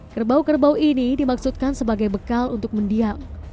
kerbau kerbau ini dimaksudkan sebagai bekal untuk mendiam